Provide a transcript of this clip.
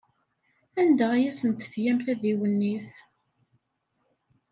Anda ay asent-tgam tadiwennit?